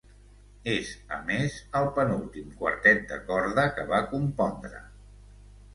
És, a més, el penúltim quartet de corda que va compondre.